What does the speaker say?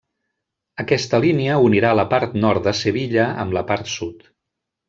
Aquesta línia unirà la part nord de Sevilla amb la part sud.